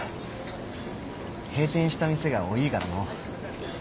閉店した店が多いからの。